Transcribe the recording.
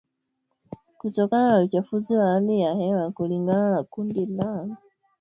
kutokana na uchafuzi wa hali ya hewa kulingana na kundi la